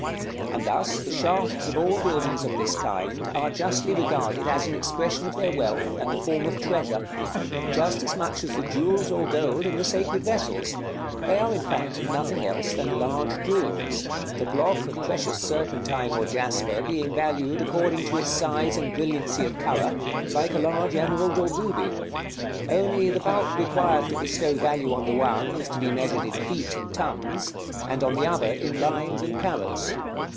And thus the shafts of all buildings of this kind are justly regarded as an expression of their wealth, and a form of treasure, just as much as the jewels or gold in the sacred vessels; they are, in fact, nothing else than large jewels, the block of precious serpentine or jasper being valued according to its size and brilliancy of color, like a large emerald or ruby; only the bulk required to bestow value on the one is to be measured in feet and tons, and on the other in lines and carats.